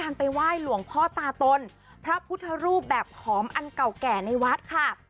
ไปไหว้หลวงพ่อตาตนพระพุทธรูปแบบขอมอันเก่าแก่ในวัดค่ะ